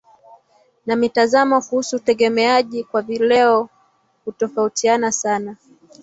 na mitazamo kuhusu utegemeaji kwa vileo hutofautiana sana